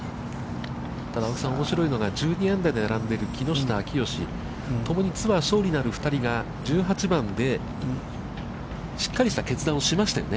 ただ青木さん、おもしろいのが、１２アンダーで並んでいる木下、秋吉、ともにツアー勝利のある２人が１８番でしっかりした決断をしましたよね。